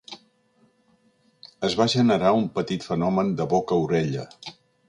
Es va generar un petit fenomen de boca-orella.